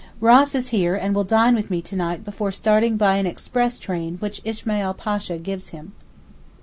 Ross is here, and will dine with me to night before starting by an express train which Ismail Pasha gives him.